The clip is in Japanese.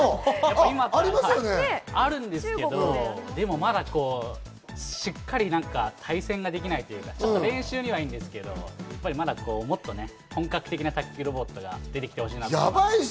でもまだしっかり対戦ができないというか、練習にはいいんですけど、まだもっと本格的な卓球ロボットが出てきてほしいなと思います。